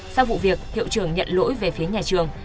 sau vụ việc hiệu trưởng nhận lỗi về phía nhà trường